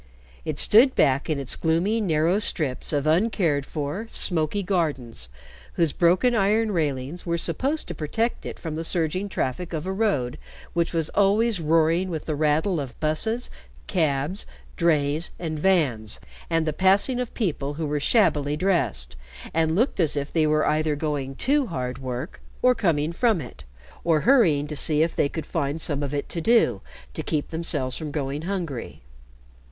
It stood back in its gloomy, narrow strips of uncared for, smoky gardens, whose broken iron railings were supposed to protect it from the surging traffic of a road which was always roaring with the rattle of busses, cabs, drays, and vans, and the passing of people who were shabbily dressed and looked as if they were either going to hard work or coming from it, or hurrying to see if they could find some of it to do to keep themselves from going hungry.